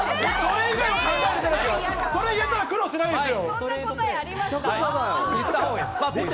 それを言えたら苦労しないですよ。